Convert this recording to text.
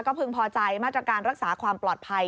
พึงพอใจมาตรการรักษาความปลอดภัย